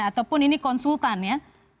ataupun ini konsultan ya